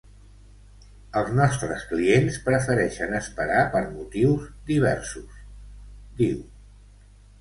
Els nostres clients prefereixen esperar per motius diversos, diu.